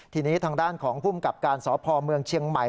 ทีนี้ทางด้านของภูมิกับการสพเมืองเชียงใหม่